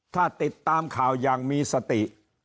ถ้าติดตามข่าวอย่างมีสติ